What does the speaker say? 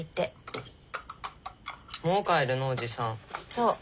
そう。